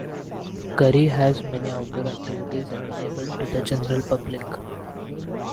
Currie has many outdoor activities available to the general public.